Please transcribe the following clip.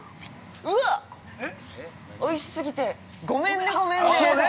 うわっ、美味しすぎてごめんね、ごめんねだ。